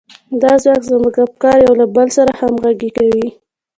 دا ځواک زموږ افکار يو له بل سره همغږي کوي.